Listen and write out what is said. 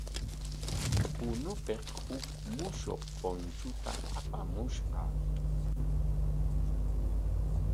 Punopik huk shumaq punchuta apamushqa.